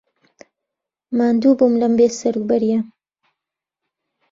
ماندوو بووم لەم بێسەروبەرییە.